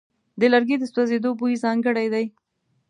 د لرګي د سوځېدو بوی ځانګړی دی.